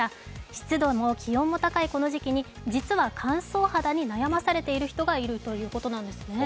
湿度も気温も高いこの時期に実は乾燥肌に悩まされている人がいるということなんですね。